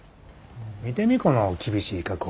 見てみこの厳しい加工。